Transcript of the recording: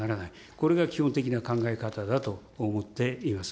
これが基本的な考え方だと思っています。